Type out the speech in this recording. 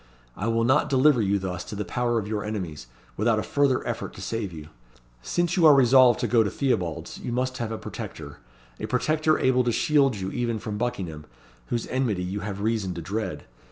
I will not deliver you thus to the power of your enemies, without a further effort to save you. Since you are resolved to go to Theobalds you must have a protector a protector able to shield you even from Buckingham, whose enmity you have reason to dread.